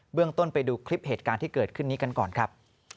เรื่องต้นไปดูคลิปเหตุการณ์ที่เกิดขึ้นนี้กันก่อนครับ